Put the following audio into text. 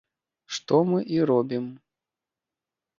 Што мы і робім.